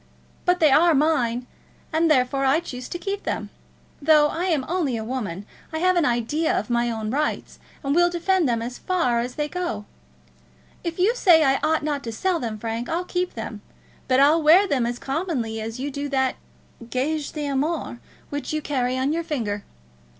But they are mine; and therefore I choose to keep them. Though I am only a woman I have an idea of my own rights, and will defend them as far as they go. If you say I ought not to sell them, Frank, I'll keep them; but I'll wear them as commonly as you do that gage d'amour which you carry on your finger.